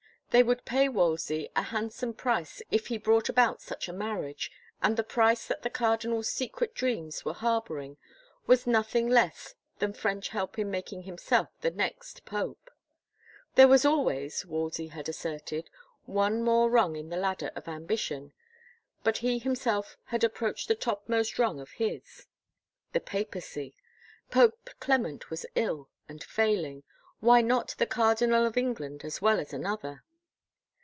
They would pay Wol 125 THE FAVOR OF KINGS sey a handsome price if he brought about such a mar riage and the price that the cardinal's secret dreams were harboring was nothing less than French help in making himself the next pope. There was always, Wolsey had asserted, one more rung in the ladder of ambition but he himself had approached the topmost rung of his. The Papacy! Pope Qement was ill and failing ... why not the Cardinal of England as well as another?